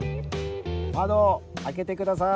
窓開けてください。